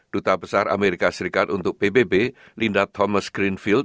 duta besar amerika serikat untuk pbb linda thomas greenfield